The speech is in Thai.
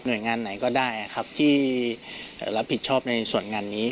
โดยงานไหนก็ได้ครับที่รับผิดชอบในส่วนงานนี้